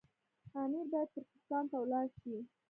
امیر باید ترکستان ته ولاړ شي.